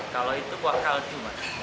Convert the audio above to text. kalau itu kuah kalju